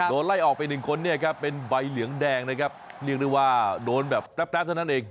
ไล่ออกไปหนึ่งคนเนี่ยครับเป็นใบเหลืองแดงนะครับเรียกได้ว่าโดนแบบแป๊บเท่านั้นเอง